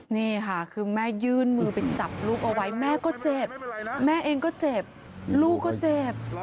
นี่ค่ะคือแม่ยื่นมือไปจับลูกเอาไว้แม่ก็เจ็บแม่เองก็เจ็บลูกก็เจ็บ